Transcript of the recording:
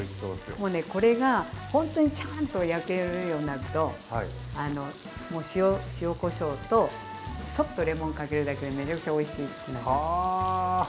もうねこれがほんとにちゃんと焼けるようになると塩・こしょうとちょっとレモンかけるだけでめちゃくちゃおいしくなります。